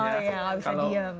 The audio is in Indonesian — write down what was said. oh iya gak bisa diam